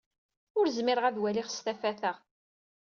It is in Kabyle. Ur zmireɣ ad waliɣ s tafat-a.